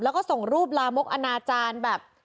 แล้วก็ส่งรูปลามกอนาจารย์แบบ